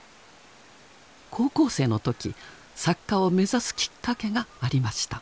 高校生の時作家を目指すきっかけがありました。